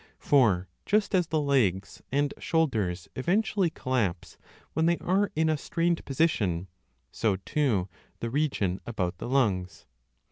For just as the legs l and shoulders eventually collapse when they are in 15 a strained position, 2 so too the region about the lungs.